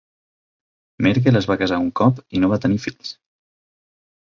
Merkel es va casar un cop i no va tenir fills.